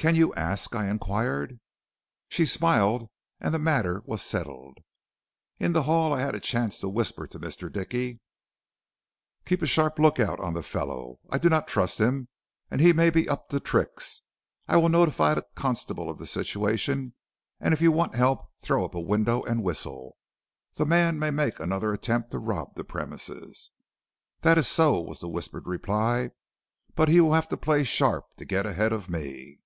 "'Can you ask?' I inquired. "She smiled and the matter was settled. "In the hall I had the chance to whisper to Mr. Dickey: "'Keep a sharp lookout on the fellow. I do not trust him, and he may be up to tricks. I will notify the constable of the situation and if you want help throw up a window and whistle. The man may make another attempt to rob the premises.' "'That is so,' was the whispered reply. 'But he will have to play sharp to get ahead of me.'"